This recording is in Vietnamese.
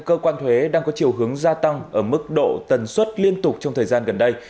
cơ quan thuế đang có chiều hướng gia tăng ở mức độ tần suất liên tục trong thời gian gần đây